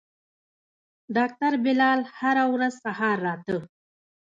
ډاکتر بلال هره ورځ سهار راته.